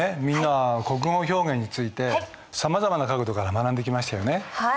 みんなは国語表現についてさまざまな角度から学んできましたよね。